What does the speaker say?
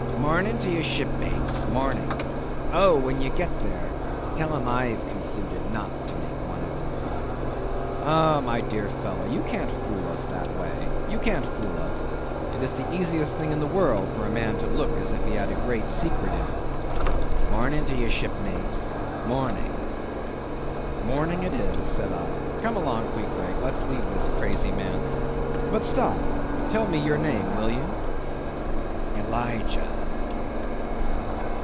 Morning to ye, shipmates, morning! Oh! when ye get there, tell 'em I've concluded not to make one of 'em." "Ah, my dear fellow, you can't fool us that way—you can't fool us. It is the easiest thing in the world for a man to look as if he had a great secret in him." "Morning to ye, shipmates, morning." "Morning it is," said I. "Come along, Queequeg, let's leave this crazy man. But stop, tell me your name, will you?" "Elijah."